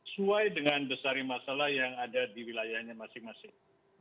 sesuai dengan besari masalah yang ada di wilayahnya masing masing